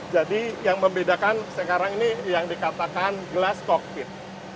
jadi yang membedakan sekarang ini yang dikatakan glass cockpit